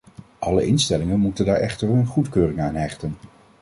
Alle instellingen moeten daar echter hun goedkeuring aan hechten.